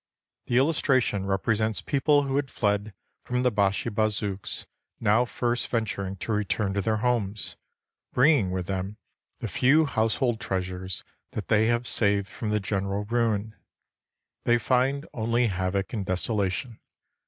The illustration represents people who had fled from the Bashi Bazouks now first venturing to return to their homes, bringing with them the few household treasures that they have saved from the general ruin. They find only havoc and desolation.